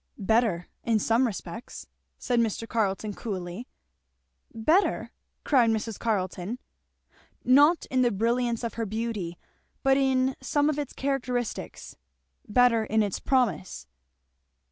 "Better, in some respects," said Mr. Carleton coolly. "Better!" cried Mrs. Carleton. "Not in the brilliancy of her beauty, but in some of its characteristics; better in its promise."